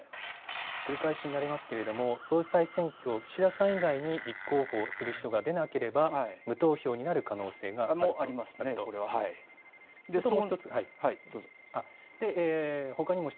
繰り返しになりますけれども総裁選挙、岸田さん以外に立候補する人が出なければ無投票になる可能性があるということですね。